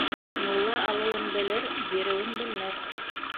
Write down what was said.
Мулла алыуын белер, биреүен белмәҫ.